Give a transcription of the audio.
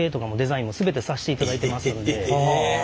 へえ！